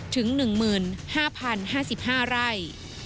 ถึง๑๕๐๕๕ไร่